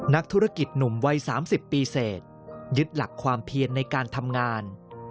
นักธุรกิจหนุ่มวัย๓๐ปีเศษยึดหลักความเพียนในการทำงาน